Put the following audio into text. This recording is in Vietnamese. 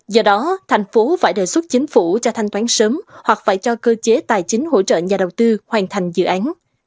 do đó thành phố phải đề xuất chính phủ cho thanh toán sớm hoặc phải cho cơ chế tài chính hỗ trợ nhà đầu tư hoàn thành dự án